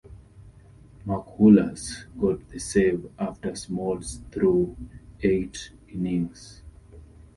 Mark Wohlers got the save after Smoltz threw eight innings.